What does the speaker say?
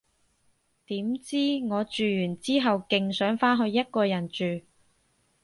點知，我住完之後勁想返去一個人住